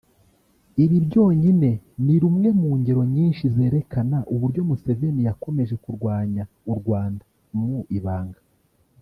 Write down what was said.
Ibi byonyine ni rumwe mu ngero nyinshi zerekana uburyo Museveni yakomeje kurwanya u Rwanda mu ibanga